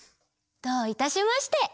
どういたしまして！